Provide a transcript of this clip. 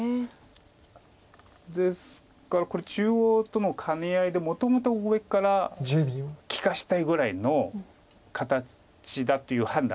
ですからこれ中央との兼ね合いでもともと上から利かしたいぐらいの形だという判断なんですよね。